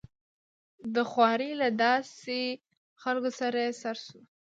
د خوارې له داسې خلکو سره يې سر شو.